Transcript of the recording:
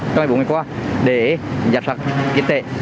trong hai mươi bốn ngày qua để giả sát y tế